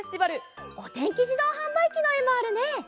「おてんきじどうはんばいき」のえもあるね。